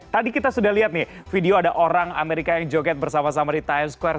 tadi kita sudah lihat nih video ada orang amerika yang joget bersama sama di times square